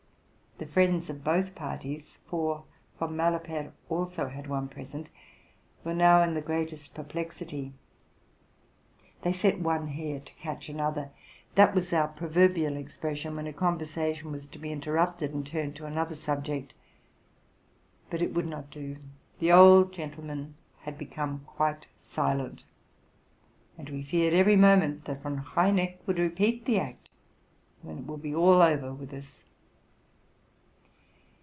The friends of both parties — for Von Malapert also had one present— were now in the greatest perplexity. They set one hare to catch another (that was our proverbial expression, when a conversation was to be inter rupted, and turned to another subject), but it would not do ; the old gentleman had become quite silent: and we feared every moment that Von Reineck would repeat the act, when it would be all over with us.